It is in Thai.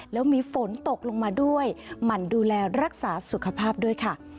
แล้วมีฝนตกลงมาด้วยหมั่นดูแลรักษาสุขภาพด้วยค่ะ